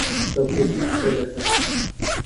بە کوردی قسە دەکات.